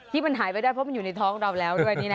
ที่มันหายไปได้เพราะมันอยู่ในท้องเราแล้วด้วยนี่นะ